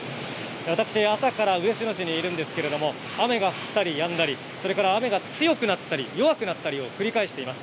私、朝から嬉野市にいるんですけれども、雨が降ったりやんだり、それから雨が強くなったり弱くなったりを繰り返しています。